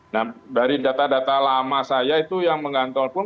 nah dari data data lama saya itu yang menggantol pun